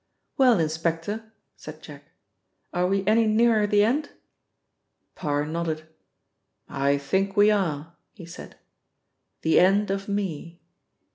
"Well, inspector," said Jack, "are we any nearer the end?" Parr nodded. "I think we are," he said. "The end of me."